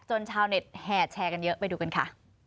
ชาวเน็ตแห่แชร์กันเยอะไปดูกันค่ะ